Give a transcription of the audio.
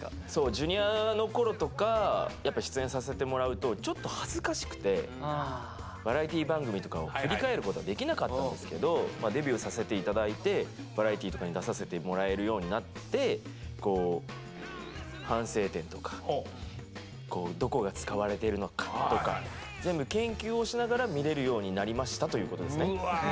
Ｊｒ．のころとか出演させてもらうとちょっと恥ずかしくてバラエティー番組とかを振り返ることができなかったんですけどデビューさせていただいてバラエティーとかに出させてもらえるようになってこう反省点とかどこが使われてるのかとか全部研究をしながら見れるようになりましたということですね。